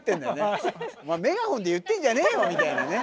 お前メガホンで言ってんじゃねえよみたいなね。